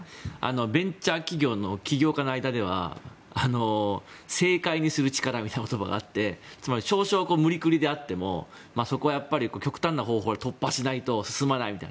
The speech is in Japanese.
ベンチャー企業の起業家の間では正解にする力みたいな言葉があってつまり、少々無理くりであってもそこは極端な方法で突破しないと進まないみたいな。